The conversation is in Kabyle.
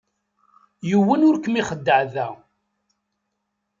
Yiwen ur kem-ixeddeε da.